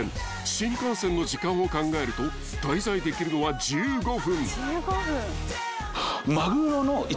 ［新幹線の時間を考えると滞在できるのは１５分］